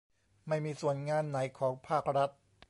ไม่มีส่วนงานไหนของภาครัฐ